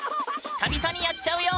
久々にやっちゃうよ！